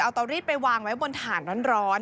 เอาเตารีดไปวางไว้บนฐานร้อน